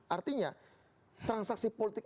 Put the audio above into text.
artinya transaksi politik